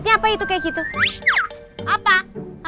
buah japanese speak